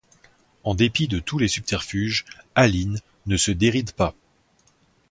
En dépit de tous les subterfuges, Aline ne se déride pas.